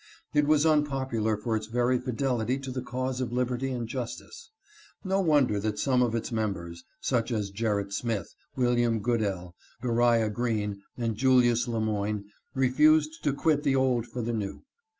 It was unpopular for its very fidelity to the cause of lib erty and justice. No wonder that some of its members, such as Gerrit Smith, William Goodell, Beriah Green, and Julius Lemoyne, refused to quit the old for the new.